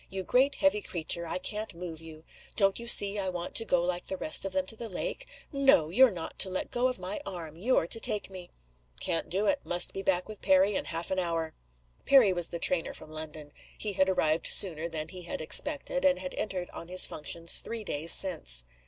You great heavy creature, I can't move you. Don't you see I want to go like the rest of them to the lake? No! you're not to let go of my arm! You're to take me." "Can't do it. Must be back with Perry in half an hour." (Perry was the trainer from London. He had arrived sooner than he had been expected, and had entered on his functions three days since.)